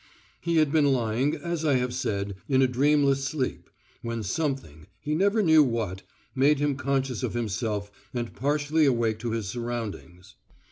He had been lying, as I have said, in a dreamless sleep, when something—he never knew what—made him conscious of himself and partially awake to his surroundings.